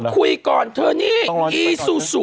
พูดคุยก่อนเธอนี่อีซุสุ